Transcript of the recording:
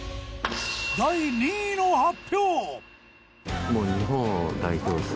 第２位の発表。